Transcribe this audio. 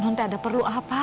nona tidak ada perlu apa